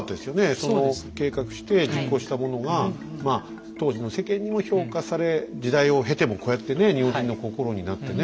その計画して実行したものがまあ当時の世間にも評価され時代を経てもこうやってね日本人の心になってね。